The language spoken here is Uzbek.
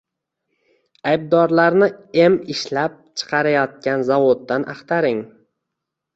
Aybdorlarni em ishlab chiqarayotgan zavoddan axtaring